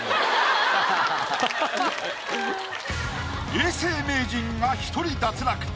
永世名人が１人脱落。